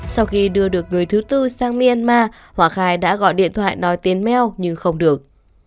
sau khi đưa được người thứ tư sang myanmar hòa khai đã gọi điện thoại nói tiếng meo nhưng không được